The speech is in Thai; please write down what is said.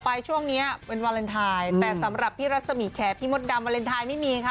ช่วงนี้เป็นวาเลนไทยแต่สำหรับพี่รัศมีแคร์พี่มดดำวาเลนไทยไม่มีค่ะ